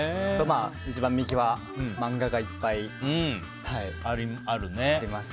一番右は漫画がいっぱいあります。